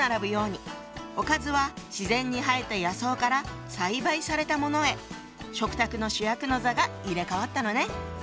おかずは自然に生えた野草から栽培されたものへ食卓の主役の座が入れ代わったのね。